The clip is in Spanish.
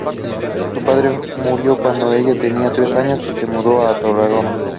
Su padre murió cuando ella tenía tres años y se mudó a Tarragona.